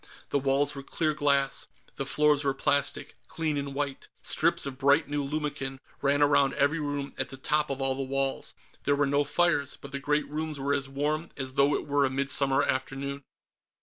The walls were clear glass. The floors were plastic, clean and white. Strips of bright new lumicon ran around every room at the tops of all the walls. There were no fires, but the great rooms were as warm as though it were a midsummer afternoon.